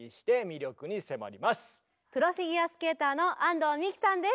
プロフィギュアスケーターの安藤美姫さんです。